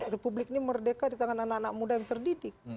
republik ini merdeka di tangan anak anak muda yang terdidik